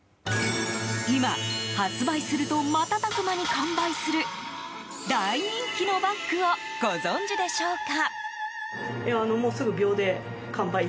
今、発売すると瞬く間に完売する大人気のバッグをご存じでしょうか。